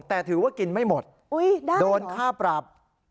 แต่ถือว่ากินไม่หมดโดนค่าปรับ